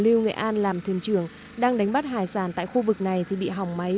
lưu nghệ an làm thuyền trưởng đang đánh bắt hải sản tại khu vực này thì bị hỏng máy